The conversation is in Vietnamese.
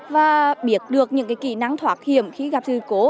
và biết được những kỹ năng thoát hiểm khi gặp sự cố